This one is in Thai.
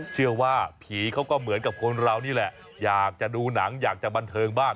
เชื่อว่าผีเขาก็เหมือนกับคนเรานี่แหละอยากจะดูหนังอยากจะบันเทิงบ้าง